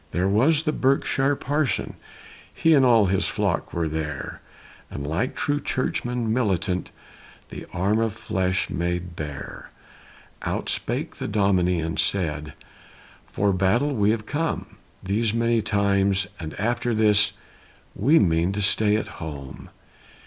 There was a Berkshire parson he And all his flock were there, And like true churchmen militant The arm of flesh made bare. Out spake the Dominie and said, "For battle have we come These many times, and after this We mean to stay at home."